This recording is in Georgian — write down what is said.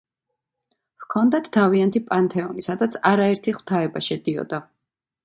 ჰქონდათ თავიანთი პანთეონი, სადაც არაერთი ღვთაება შედიოდა.